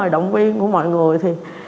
động viên của mọi người thì